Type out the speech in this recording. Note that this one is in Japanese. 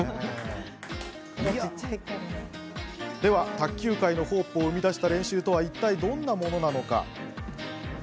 では卓球界のホープを生み出した練習とはいったい、どんなものなのか。